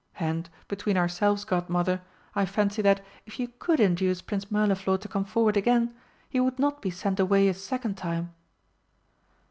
And, between ourselves, Godmother, I fancy that, if you could induce Prince Mirliflor to come forward again, he would not be sent away a second time."